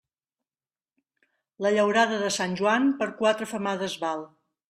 La llaurada de Sant Joan, per quatre femades val.